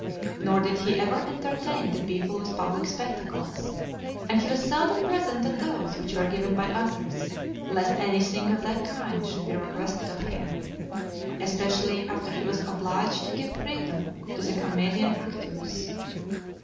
Nor did he ever entertain the people with public spectacles; and he was seldom present at those which were given by others, lest any thing of that kind should be requested of him; especially after he was obliged to give freedom to the comedian Actius.